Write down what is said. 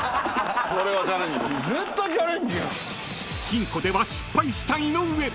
［金庫では失敗した井上。